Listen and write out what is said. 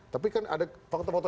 tapi kan ada fakta fakta